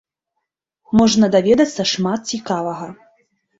Можна даведацца шмат цікавага.